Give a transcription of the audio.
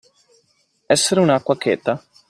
Essere un'acqua cheta.